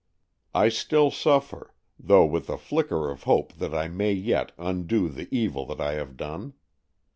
I still suffer, though with a flicker of hope that I may yet undo the evil that I have done.